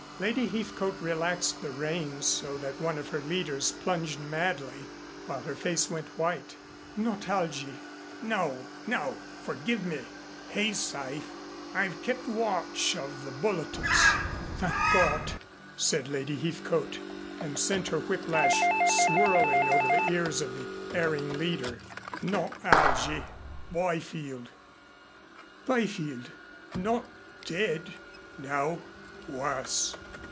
Lady Heathcote relaxed the reins so that one of her leaders plunged madly, while her face went white. "Not Algy " "No, no forgive me. He's safe. I've kept watch of the bulletins." "Thank God!" said Lady Heathcote, and sent her whiplash swirling over the ears of the erring leader. "Not Algy Byfield " "Byfield not dead ?" "No. Worse."